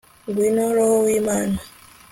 ngwino roho w'imana